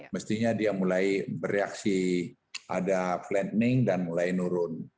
mestinya dia mulai bereaksi ada planning dan mulai nurun